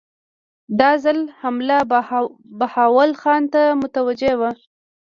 دا ځل حمله بهاول خان ته متوجه وه.